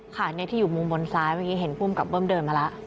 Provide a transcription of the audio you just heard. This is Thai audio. ค่ะที่อยู่มุมบนซ้ายเมื่อกี้เห็นภูมิกับเบิ้มเดินมาแล้ว